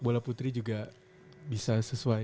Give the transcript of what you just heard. bola putri juga bisa sesuai